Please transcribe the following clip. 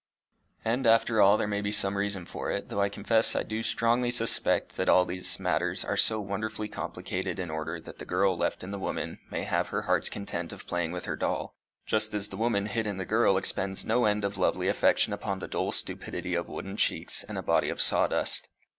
And after all there may be some reason for it, though I confess I do strongly suspect that all these matters are so wonderfully complicated in order that the girl left in the woman may have her heart's content of playing with her doll; just as the woman hid in the girl expends no end of lovely affection upon the dull stupidity of wooden cheeks and a body of sawdust.